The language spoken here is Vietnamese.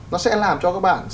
nó sẽ làm cho các bạn